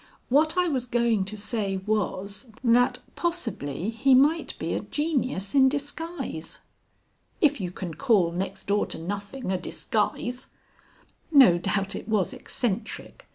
"What I was going to say was, that possibly he might be a genius in disguise." "If you can call next door to nothing a disguise." "No doubt it was eccentric.